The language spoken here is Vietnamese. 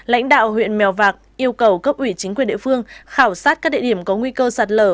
lãnh đạo huyện mèo vạc yêu cầu cấp ủy chính quyền địa phương khảo sát các địa điểm có nguy cơ sạt lở